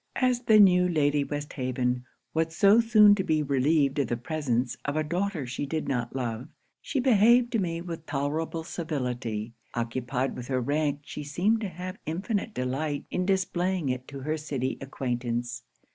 'As the new Lady Westhaven was so soon to be relieved from the presence of a daughter she did not love, she behaved to me with tolerable civility. Occupied with her rank, she seemed to have infinite delight in displaying it to her city acquaintance.